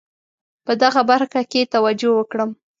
په دغه برخه کې توجه وکړم.